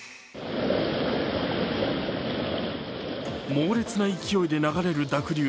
猛烈な勢いで流れる濁流。